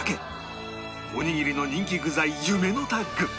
おにぎりの人気具材夢のタッグ